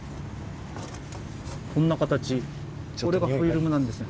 こんな形これがフィルムなんですが。